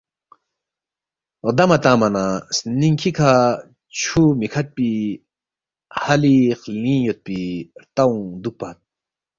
غدما تنگما نہ سنِنکھی کھہ چھُو می کھڈپی ہَلی خلِنگ یودپی ہرتاؤنگ دُوکپت